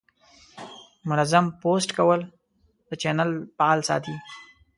منظم پوسټ کول د چینل فعال ساتي.